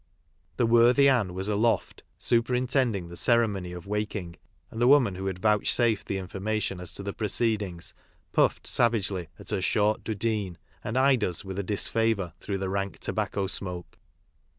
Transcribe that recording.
The worthy Ann was aloft superintending the cere mony of waking, and the woman who had vouch safed the information as to the proceedings puffed savagely at her short dhudeen, and eyed us with disfavour through the rank tobacco smoke.